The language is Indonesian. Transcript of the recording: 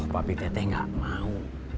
papih teteh enggak mau